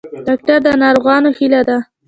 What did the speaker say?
ډاکټر د ناروغانو هیله ده